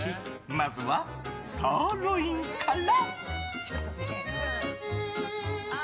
まずはサーロインから。